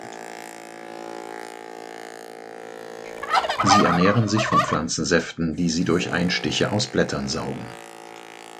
Sie ernähren sich von Pflanzensäften, die sie durch Einstiche aus Blättern saugen.